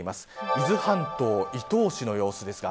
伊豆半島、伊東市の様子です。